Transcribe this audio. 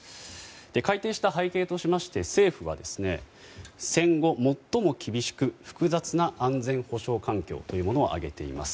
改訂した背景として政府は戦後最も厳しく複雑な安全保障環境というものを挙げています。